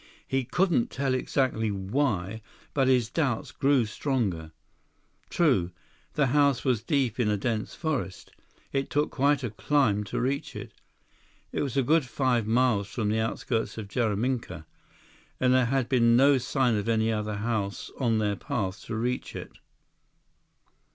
He couldn't tell exactly why, but his doubts grew stronger. True, the house was deep in a dense forest. It took quite a climb to reach it. It was a good five miles from the outskirts of Jaraminka, and there had been no sign of any other house on their path to reach it.